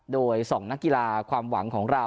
โดย๒นักกีฬาความหวังของเรา